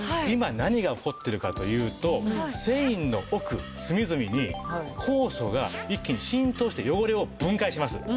今何が起こってるかというと繊維の奥隅々に酵素が一気に浸透して汚れを分解します。